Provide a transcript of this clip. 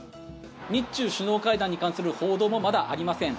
日中首脳会談に関する報道もまだありません。